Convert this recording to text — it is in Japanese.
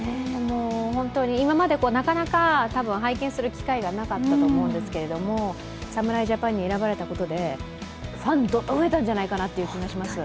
本当に今までなかなか拝見する機会がなかったと思うんですが、侍ジャパンに選ばれたことでファン、どっと増えたんじゃないかなという気がします。